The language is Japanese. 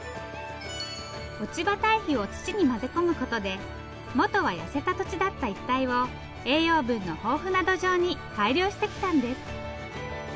落ち葉堆肥を土に混ぜ込むことで元は痩せた土地だった一帯を栄養分の豊富な土壌に改良してきたんです。